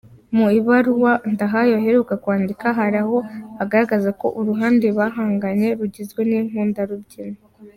Mu ibaruwa Ndahayo aheruka kwandika, hari aho agaragaraza ko uruhande bahanganye rugizwe n’inkundarubyino.